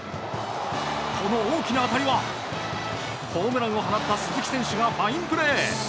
この大きな当たりはホームランを放った鈴木選手がファインプレー。